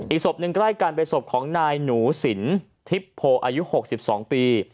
อีกศพหนึ่งใกล้กันเป็นของนายหนูศิลพ์ทิพโภอายุ๖๒ปี